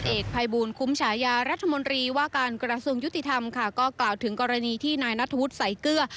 เอกภัยบูลคุ้มฉายารัฐมนตรีว่าการกระทรวงยุติธรรมค่ะก็กล่าวถึงกรณีที่นายนัทธวุฒิสายเกลือ